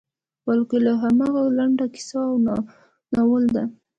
بلکې دا همغه لنډه کیسه او ناول ده.